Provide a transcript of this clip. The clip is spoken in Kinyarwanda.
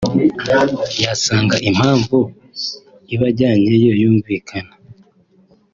yasanga impamvu ibajyanyeyo yumvikana